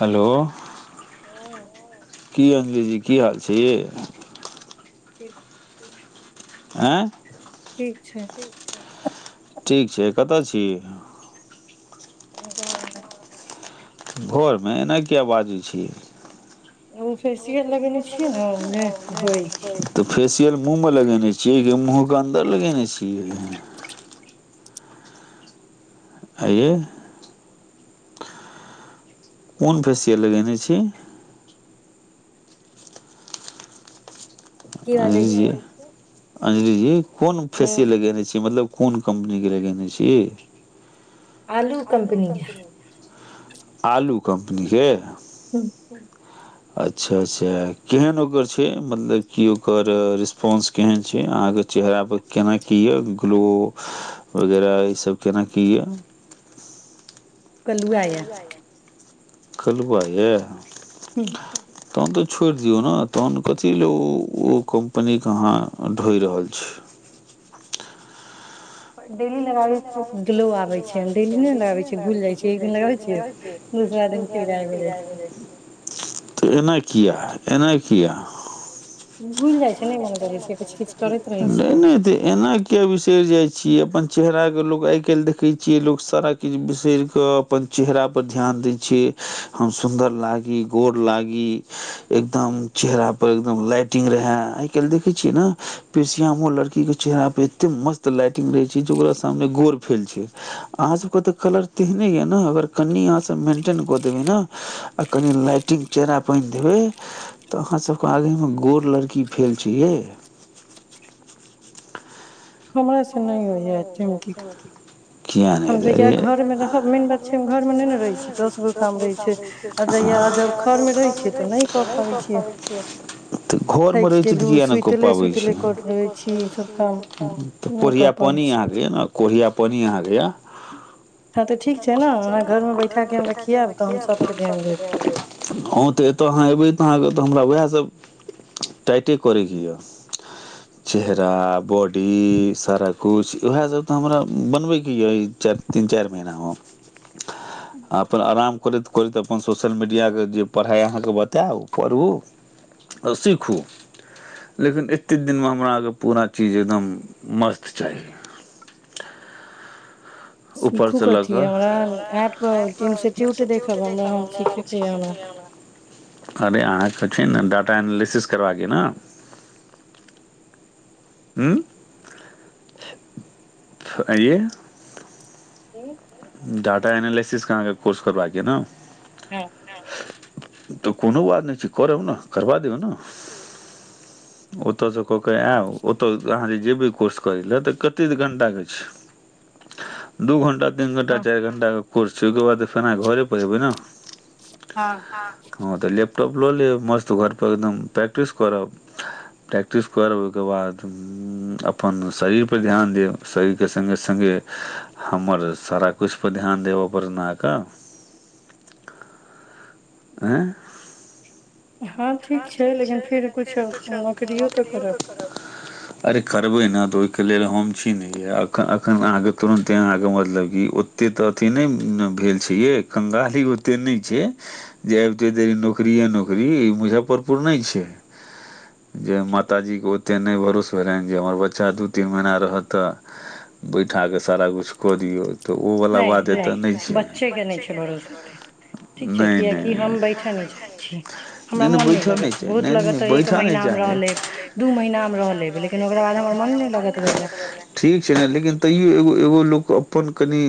hello क अी जी की हाल छै यै ठीक छै आँ ठीक छै ठीक छै कतऽ छी [unintelligible] भोरमे एना की बाजै छियै ओ फेसियल लगेने छियै ने उह धइ तऽ फेस तेल मुँह मे लगेने छियै मुँहके अन्दर लगेने छियै अइये कोन फसिया लगेने छी की बाजै छै अंजली जी कोन फसी लगेने छी मतलब कोन कंपनी के लगे छै ऐ आलू आलू कम्पनी के [inaudible] अच्छा अच्छा केहन ओकर छै मतलब कि ओकर रिस्पॉन्स केहन छै अहाँके चेहरापर केना की यए ग्लो वगैरह ईसभ केना की यए कलू आयय खलुआ यए हू तहन तऽ छोड़ि दियौ ने तहन कथी ल ओ कम्पनीके अहाँ ढोइ रहल छी डी लगाबी ख् लोको आ छै एना किया एनाकिया भुल जाइ छै ने मने कै से लै नहि त एना किया विसर जाइ छै छीिय अपन चेहरा के लोग आइ काल् देखे छियै लोग सारा किछ बिसर क अपन चेहरा पर ध्यान दय छिये हम सुन्दर लागी गोर लागी एकदम चेहरा पर एकदम लाइटिंग रहे आइ काल्हि देखे छियै ने पेरसियाामो लड़की के चेरा परे एते मस्त लाइटिंग रहे छै जे ओकरा सामने गोर फेल छै अहाँ सब के तऽ कलर तेहने ये ने अगर कनि अहाँ सब मेंटेन क देबे ने आ कनि लाइटिंग चेरा पानहि देबे तऽ अहाँ सब के आगे मे गोर लड़की फेल छै ये हमरा चन्नइ होइ हकी कहत किियाक नहि घरमे रहैत छी तऽ किए नहि कऽ पाबैत छी तऽ पोरआ पानि अहाँके ने कोहिआ पानि अहाँके यऽ ह ए त इटे कर क य चेहरा बडी सारा कुछ इएह सब तऽ हमरा बनबे के कि यी चार तीन चार महीना हो अपन आराम कर कर तऽ अपन सोशल मीडियाकके जे पढ़ाइ अहाँके बताउ पढ़ू आओर सीखू लेकिन एते दिनमे हमरा अहाँके पूरा चीज एकदम मस्त चाही सीखू कथी हमरा एप इंस्टीट्यूट देखब हमरा हम सिखके हमरा छै ने ाटा एनालिसिस कर के न ह ह डाटा एनालिसिस कहाँके कोर्स करबाक ने नहि [unintelligible] तीन घणटा चार घणटा को छी ओहिके बाद त फेना घरे पर हबै ने हँ तऽ लैपटॉप लऽ लेब मस्त घर पर एकदम प्रैक्टिस करब प्रैक्टिस करब ओहिके बाद अपन शरीर परर ध्यान देब शरीरके सङ्गे सङ्गे हमर सारा किछु पर ध्यान देबऽ पड़तकऽ आँ हँ ठीक छै लेकिन फर अरे करबै तऽ ओहिके लेल हम छी नहि यऽ अखन अहाँके तुरन्ते अहाँके मतलब कि ओते तऽ अथी नहि भेल छै ये कङ्ंगाली ओते नहि छै जे आबिते देरी नौकिये नौकरी मु मुफफरपुर नहि छै जे माताजी के ओते नहि भरोस भेलनि जे हमर बच्चा दू तीन महीना रहत तऽ बैठा कऽ सारा कुछु कऽ दियौ नहि नहि बच्चे के नहि छै भरोसे एते ठीक छै किियकि हम बैठऽ नहि चाहै छी हमरा मन नहि [unintelligible] अपन कनि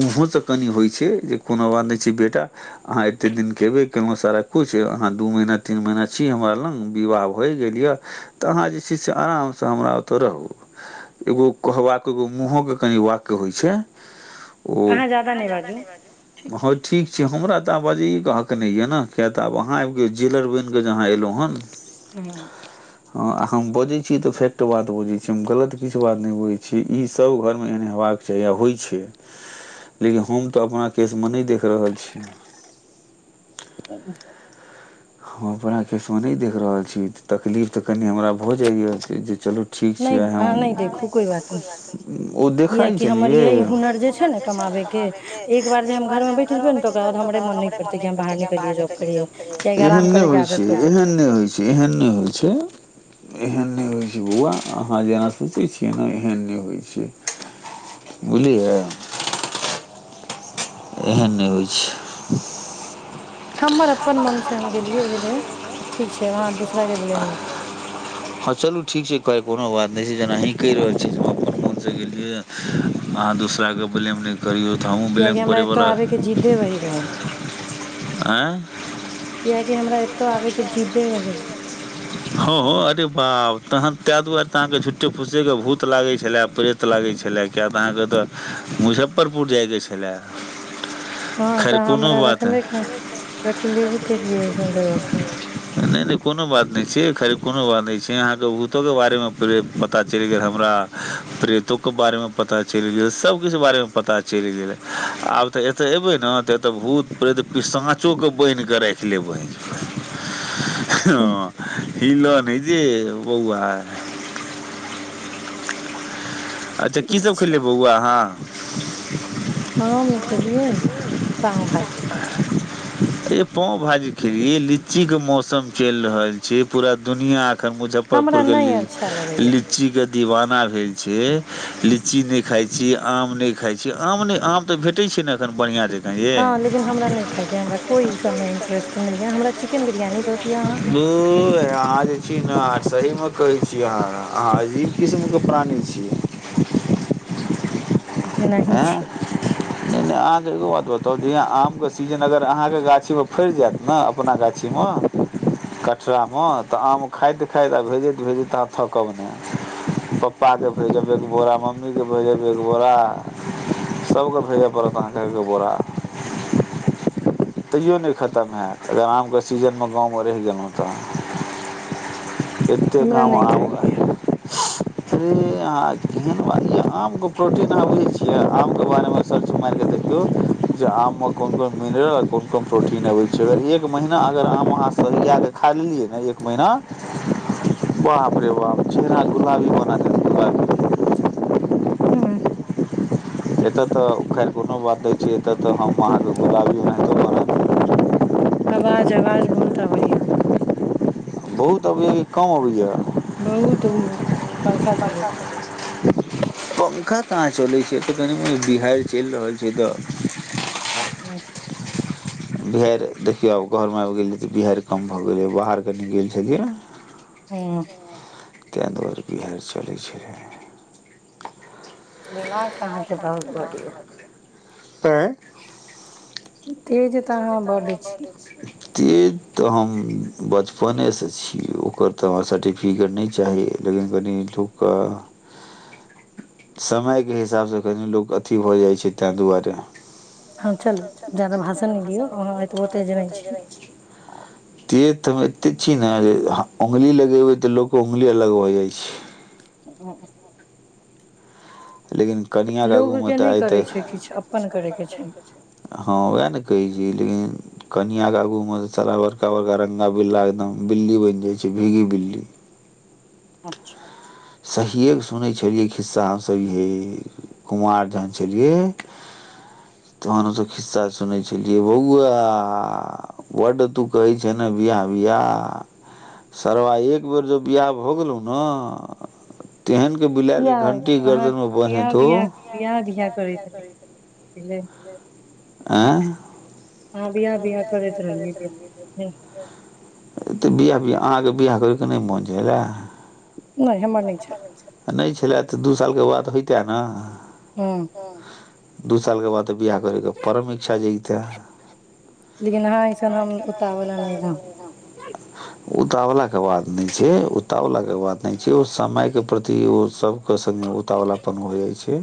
मुँहो तऽ कनि होइ छै जे कोनो बात नहि छै बेटा अहाँ एतेक दिन केब [unintelligible] आहा दू महीना तीन महना छी हमरा लग विवाह भऽ गेल यऽ तऽ अहाँ जे छै से आरामसँ हमरा ओतय रहू एगो कहबाक एगो मुँहके कनि वाक्य होइ छै ओ आहा ज्यादा नै बाजू हँ ठीक छै हमरा तऽ बाज कह के ने यै ना किया तऽ आब अहाँ आब जेलर जहाँ एलहुँ हन हँ ह हम बजै छी तऽ फैक्ट बात बजै छी हम गलत किछु बात नहि बझै छी ई सब घरमे एहन हेबाक चाही आ होइ छै लेकिन हम तऽ अपना केसमे नहि देख रहल छी [inaudible] हँ अपना केश मे नहि देख रहल छी तकलीफ त कनि हमरा भऽ जाइए चलू नहि अहाँ नहि देखू कोइ बात नहि किियकि हमर यही हुनर जे छै ने कमाबैके एक बार जे हम घरमे बैठ जेबै ने तऽ ओरा बाद हमरे मन नहि करतै कि हम बाहर निकलियै जॉब करियै एहन नहि होइ छै एहन नहि होइ छै एहन नहि होइ छै एहन नहि हो छै बौआ अहाँ जेना सोचै छियै एहन नहि होइ छै बुझलियै एहन नै होय छै हमर अपन मन से हम गेलियै ठीक छै वहाँ द हँ चलू ठीक छै कै कोनो बात नहि छै जेना अही कहि रहल छी जे हम अपन मोनसँ गेलियै अहाँ दोसराके ब्लेम नै कियकि हमरा एतौ आबेके जिद्दे वही रहै कियकि हमरा ए ह अरे बाब त हन त दुआारे तऽ अहाँके झुट्टे फुसे के भूत लागै छलै प्रेत लागै छलै किएक तऽ अहाँकेँ ओतय मुजफ्फरपुर जाइके छलए हँ तऽ हमरा रखबे के रखलि नहि नहि कोनो बात नहि छै खरी कोनो बात न छै अहां के भूतो के बारे में पता चल गेल हमरा प्रेतो के बारे मे पता चल गेल सब किछ के बारे में पता चल गेल आब ते एते एबे ने ते एते भूत प्रेत साँचो के बोन के राख खिलेबै ह हिल नै दैब बौआ अच्छा की सब खेलियै बौआ अहाँ [inaudible] आम खेलियै पांव भाजी जी ए पांव भाजी खेलियै लीची के मौसम चलि रहल छै पूरा दुनियां मुजफ्फरपुर के लीची के दीवाना भेल छै लीची नै खाय छी आम नै खाय छी आम नै आम तऽ भेटय छै ने एखन बढ़ियां रेट हँ लेकिन हमरा नहि खायके हमरा कोइ उ सबमे इंट्रेस्ट नहि है हमको हमरा चिकेन बिरियानी दु बहि अहाँ जे छी न आ सहीमे कहै छी अहाँ अहाँ अजीब किस्मिके प्राणी छी एनाही छी नहि नहि अहाँके एगो बात बताउ जे आमके सीजन अगर अहाँके गाछीमे फड़ि जायत ने अपना गाछीमे कटरामे तऽ आम खाइत खाइत आ भेजैत भेजैत अहाँ थकब नहि पप्पाके भेजब एक बोरा मम्मीके भेजब एक बोरा सभके भेजए पड़त अहाँके एकह बोरा तैयो नहि खतम हेत अगर आमके सीजनमे गाँवमे रहि गेलहुँ तऽ एतेक गाँवम आम अरे अहाँ केहन बानलियै आमके प्रोटीन अहाँ बुझैत छियै आमके बारेमे सर्च मारि कऽ देखियौ जे आममे कोन कोन मिनरल आ कोन कोन प्रोटीन अबैत छै अगर एक महीना अगर आम अहाँ सरिया कऽ खा लेलियै ने एक महीना बाप रे बाप चेहरा गुलाबी बना देत उंह एतय तऽ खैर कोनो बात नहि छै एतय तऽ हम अहाँके गुलाबी मानब [unintelligible] आवाज आवाज बहुत अबैयै बहुत अबैये कि कम अबैये बहुत ओ पंखा चलैके कहाँ चलै छै एतऽ कनि बिहाड़ि चलि रहल छै तऽ बिहाड़ि देखियौ आब घरमे आबि गेलियै तऽ बिहाड़ि कम भऽ गेलै बाहर कनि गेल छलियै हूँ ताँहि दुआरे बिहड़ि चलै छलै माँ कहाँ बहुत बढ़िया ऐं तेज तेज आहा बड्ड छी तेज तऽ हम बचपनेसँ छी ओकर तऽ हमरा सर्टिफिकेट नहि चाही लेकिन कनि लोकके समयके हिसाबसँ कनी लोक अथी भऽ जाइ छै तैं दुआरे हँ चलु जादा भाष भाषन ने दिए अहाँ के बहुते जनयछी तेज त एते छीिय ने जे औंगली लगेबै तऽ लोकके उऔंगली अलग भऽ जाइ छै ओ लेकिन लोकके नहि करै छै किछु अपन करयके छै कहै छ लेकिन कनिआँके आगूमे तऽ चारा बड़का बड़का रङ्गा बिल्ला एकदम बिल्ली बनि जाइ छै भीगी बिल्ली अच्छा सहिएके सुनै छलियै खिस्सा हमस हे कुमार जहन छलियै तहन हमस खिस्सा सुनै छलियै बौआ बड्ड तू कहै छह ने बिआह बिआाह सरवा एक बेर जँ बिआह भऽ गेलहुँ ने कििया अहाँ बिियाह बियाह बिियाह बियाह करैत रही बझल आँ अभी त बिह बाह अहाँके बिआह करैके नहि मन छैलए नहि छलै तऽ दू साल के बाद तऽ होत ने ह दू सालके बाद तऽ बियाह करय क परम इच्छा जयतै लेकिन हहाँ अऐसन हम ओतावला नहि रह उतावला के बात नहि छै उतावला के बात नहि छै ओ समय के प्रति ओ सब के से उतावला पन हो जाइ छै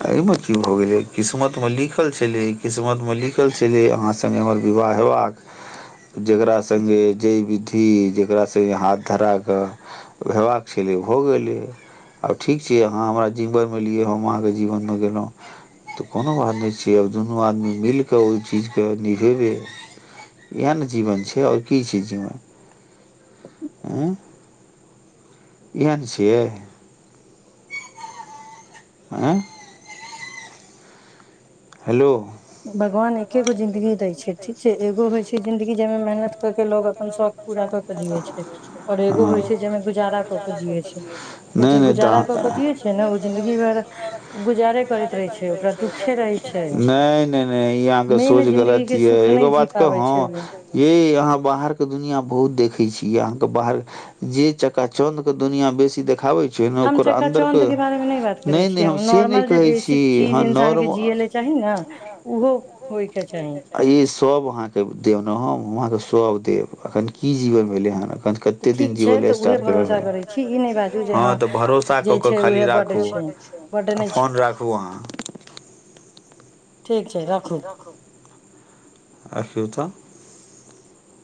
[unintelligible] [unintelligible] की भ गेले किस्मत में लिखल छले किस्मत में लिख सख छल अहाँ सङ्गे हमर विवाह हेबाक जेकरा संग्गे जे वि्य अथी जेकरासँ हाथ धर कऽ हेबाक छलै भऽ गेलै आब ठीक छै अहाँ हमरा जिबनमे लिै हम अहाँके जीवनमे गेलहुँ तऽ कोनो बात नहि छै आब दुनू आदमी मिल ओहि चजेबै इएह ने जीवन छै आओर की छैीन हँ एहन छियै आँ हेलो भगवान एकेगो जिंन्दगी दै छै ठीक छै एगो होइ छै जिन्दगी जेमे मेहनत क के लोग अपन शौख पूरा कऽ के जिये छै आओर एगो होइ छै जाहिमे गुजारा कऽ के जिये छै तऽ जे गुजारा कऽ के जिये छै ने ओ जिंन्दगी भर गुजारे करैत रहै छै ओकरा दुखे रहै छै न ई यहाँ के सोच गलत य एगो बात कह य यह के दुनिया बहुत देखे छी अहा के बाहर जे चका चंद के दुनिया बेसी देखाबे छै हम चक्का चाँदके बारेमे नहि बात करै छियै नॉर्मल जे बेसिक चीज इन्सानके जियै लेल चाही ने ओहो होइ ग छै ई सब वहाँके दे वहंके सब देब अखन की जीवन भेलै ह भोसााा ठीक छै राखू रखिू तऽ